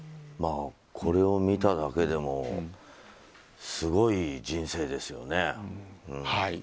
これを見ただけでもすごい人生ですよね。